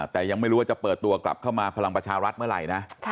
แต่ยังไม่รู้ว่าจะเปิดตัวกลับเข้ามาพลังประชารัฐเมื่อไหร่นะ